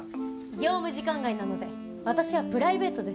業務時間外なので私はプライベートです。